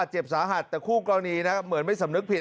เจ็บสาหัสแต่คู่กรณีนะเหมือนไม่สำนึกผิด